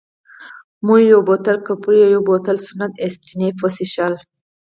مو یو بوتل کپري او یو بوتل سنت اېسټېف وڅېښل.